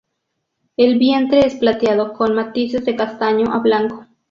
El vientre es plateado con matices de castaño a blanco.